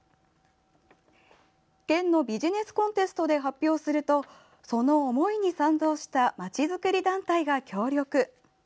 県のビジネスコンテストで発表するとその思いに賛同したまちづくり団体が協力。